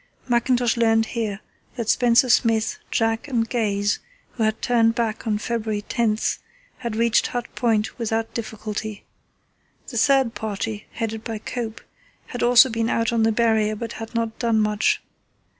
Mackintosh learned here that Spencer Smith, Jack, and Gaze, who had turned back on February 10, had reached Hut Point without difficulty. The third party, headed by Cope, had also been out on the Barrier but had not done much.